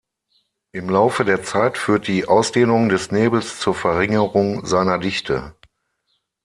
Im Laufe der Zeit führt die Ausdehnung des Nebels zur Verringerung seiner Dichte.